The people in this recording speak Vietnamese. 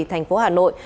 thành phố hà nội